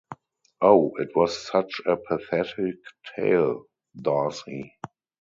Oh, it was such a pathetic tale, Darcey.